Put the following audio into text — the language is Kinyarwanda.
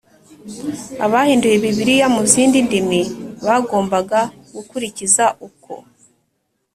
Abahinduye Bibiliya mu zindi ndimi bagombaga gukurikiza uko